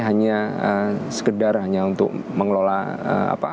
hanya sekedar hanya untuk mengelola apa